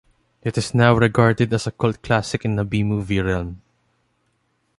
It is now regarded as a cult classic in the B movie realm.